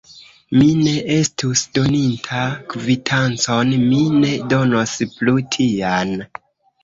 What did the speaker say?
Mi ne estus doninta kvitancon: mi ne donos plu tian.